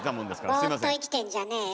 ボーっと生きてんじゃねーよ。